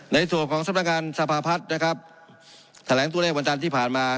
ในส่วนของสำนักงานสภาพัฒน์นะครับแถลงตัวเลขวันจันทร์ที่ผ่านมา